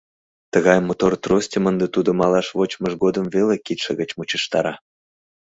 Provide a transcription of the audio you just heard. Тыгай мотор тростьым ынде тудо малаш вочмыж годым веле кидше гыч мучыштара.